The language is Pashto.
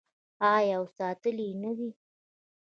آیا او ساتلی یې نه دی؟